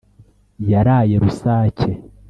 Yaraye rusake